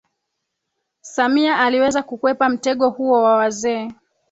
Samia aliweza kukwepa mtego huo wa wazee